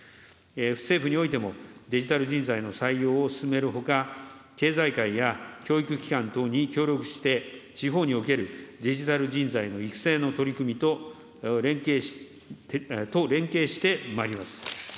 政府においても、デジタル人材の採用を進めるほか、経済界や教育機関等に協力して地方におけるデジタル人材の育成の取り組みと連携してまいります。